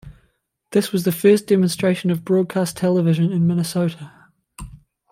This was the first demonstration of broadcast television in Minnesota.